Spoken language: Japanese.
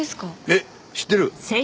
えっ知ってる？